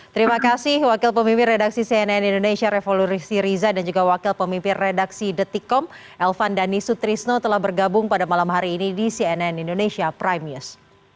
terima kasih wakil pemimpin redaksi cnn indonesia revolusi riza dan juga wakil pemimpin redaksi detikom elvan dhani sutrisno telah bergabung pada malam hari ini di cnn indonesia prime news